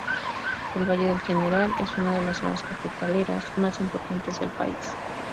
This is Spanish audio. El valle del General es una de las zonas cafetaleras más importantes del país.